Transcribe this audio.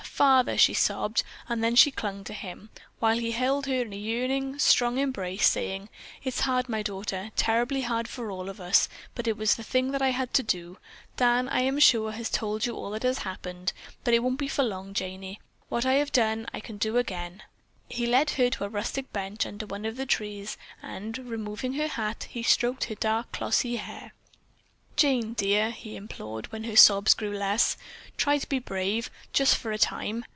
Father!" she sobbed, and then she clung to him, while he held her in a yearning, strong embrace, saying, "It's hard, my daughter, terribly hard for all of us, but it was the thing that I had to do. Dan, I am sure, has told you all that happened. But it won't be for long, Janey. What I have done once, I can do again." He led her to a rustic bench under one of the trees, and removing her hat, he stroked her dark, glossy hair. "Jane, dear," he implored, when her sobs grew less, "try to be brave, just for a time.